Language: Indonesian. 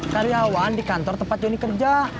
karyawan di kantor tempat joni kerja